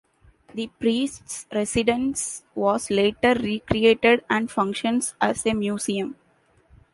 The priests' residence was later recreated, and functions as a museum.